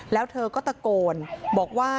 แล้วเธอก็ตะโกนบอกว่า